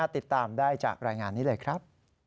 ติดตามได้จากรายงานนี้เลยครับ